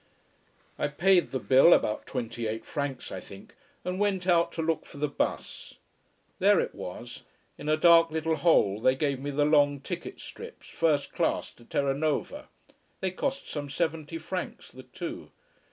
I paid the bill about twenty eight francs, I think and went out to look for the bus. There it was. In a dark little hole they gave me the long ticket strips, first class to Terranova. They cost some seventy francs the two.